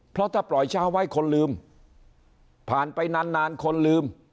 เพราะถ้าปล่อยเช้าไว้คนลืมผ่านไปนานนานคนลืม